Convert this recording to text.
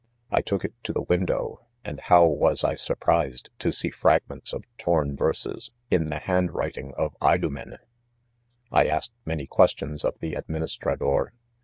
I took it to the window, and how was I surprised, to see fragments of torn verses., in the hand writing of Women ! 1 asked many questions of the a administra dor."